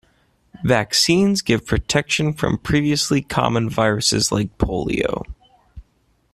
Vaccines give protection from previously common viruses like Polio.